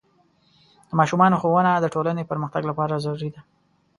د ماشومانو ښوونه د ټولنې پرمختګ لپاره ضروري ده.